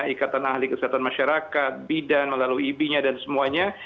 ikatan ahli kesehatan masyarakat bidan melalui ibinya dan semuanya